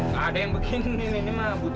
ga ada yang begini ini mah butut banget